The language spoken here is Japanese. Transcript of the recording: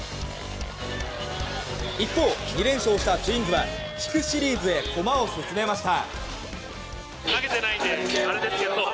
一方、２連勝したツインズは地区シリーズへ駒を進めました。